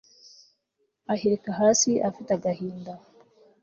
ahirika hasi afitagahinda